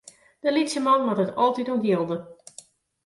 De lytse man moat it altyd ûntjilde.